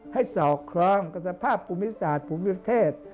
ให้สอบครองกับสภาพภูมิศาสตร์ภูมิเทศ